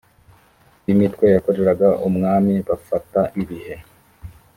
b imitwe yakoreraga umwami bafata ibihe